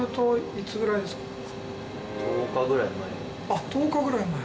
あっ１０日ぐらい前。